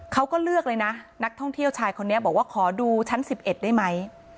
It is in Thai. เขาก็เลือกเลยนะนักท่องเที่ยวชายคนนี้บอกว่าขอดูชั้น๑๑ได้ไหม